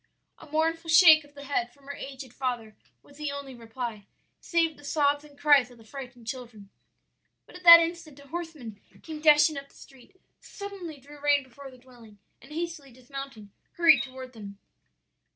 "A mournful shake of the head from her aged father was the only reply, save the sobs and cries of the frightened children. "But at that instant a horseman came dashing up the street, suddenly drew rein before their dwelling, and hastily dismounting, hurried toward them.